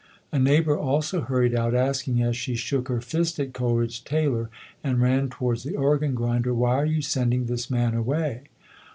A neighbor also hurried out, asking as she shook her fist at Coleridge Taylor and ran towards the organ grinder, "Why are you sending this man away?"